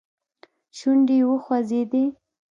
شونډي يې وخوځېدې.